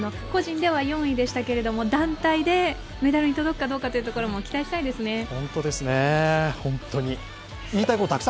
個人では４位でしたけど団体でメダルに届くかどうかというところも期待したいですね。